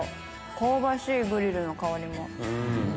香ばしいグリルの香りも。